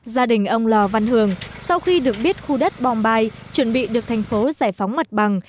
gia đình ông lò văn hường sau khi được biết khu đất bom bài chuẩn bị được thành phố giải phóng mặt bằng